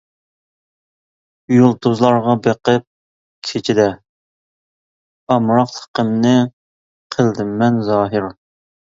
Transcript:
يۇلتۇزلارغا بېقىپ كېچىدە، ئامراقلىقىمنى قىلدىممەن زاھىر.